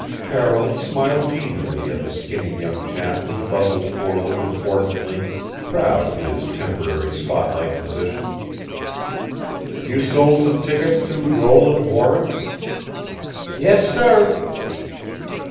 Carroll smiled genially at the skinny young chap who bustled forward importantly, proud of his temporary spotlight position. "You sold some tickets to Roland Warren?" "Yes, sir."